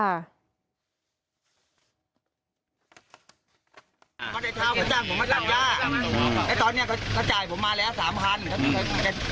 อาจจะออกมาตรงไหนตั้งที่จะออกกว่า๑๕นาที